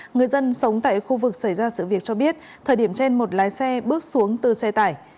người dân sống tại khu vực xảy ra sự việc cho biết thời điểm trên một lái xe bước xuống từ xe tải